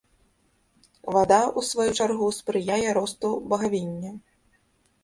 Вада, у сваю чаргу, спрыяе росту багавіння.